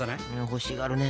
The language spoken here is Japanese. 欲しがるね。